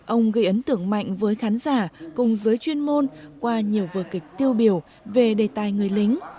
ông gây ấn tưởng mạnh với khán giả cùng giới chuyên môn qua nhiều vợ kịch tiêu biểu về đầy tài người lính